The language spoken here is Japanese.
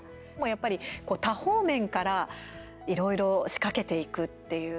やっぱり多方面からいろいろ仕掛けていくっていう。